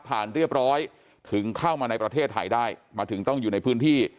เรียบร้อยถึงเข้ามาในประเทศไทยได้มาถึงต้องอยู่ในพื้นที่